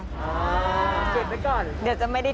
อ๋อเก็บไว้ก่อน